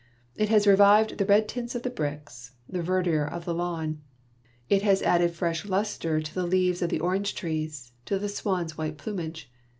It has revived the red tints of the bricks, the verdure of the lawns, it has added fresh lustre to the leaves of the orange trees, to the swans' white plumage.